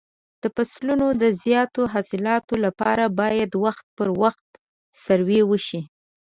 د فصلو د زیاتو حاصلاتو لپاره باید وخت پر وخت سروې وشي.